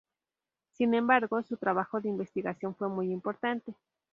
Sin embargo, su trabajo de investigación fue muy importante.